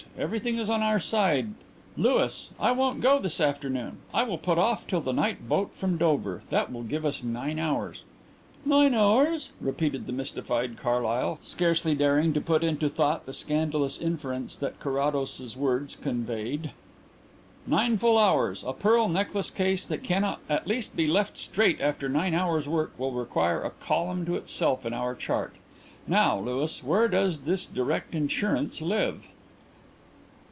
Everything is on our side. Louis, I won't go this afternoon I will put off till the night boat from Dover. That will give us nine hours." "Nine hours?" repeated the mystified Carlyle, scarcely daring to put into thought the scandalous inference that Carrados's words conveyed. "Nine full hours. A pearl necklace case that cannot at least be left straight after nine hours' work will require a column to itself in our chart. Now, Louis, where does this Direct Insurance live?"